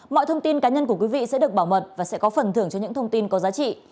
mọi thông tin cá nhân của quý vị sẽ được bảo mật và sẽ có phần thưởng cho những thông tin có giá trị